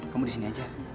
kamu di sini aja